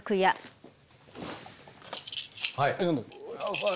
はい。